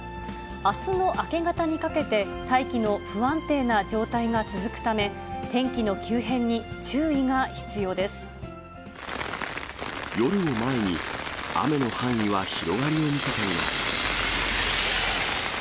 あすの明け方にかけて大気の不安定な状態が続くため、天気の急変夜を前に、雨の範囲は広がりを見せています。